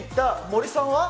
森さんは？